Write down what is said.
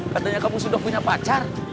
katanya kamu sudah punya pacar